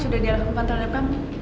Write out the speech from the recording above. udah diharapkan terhadap kamu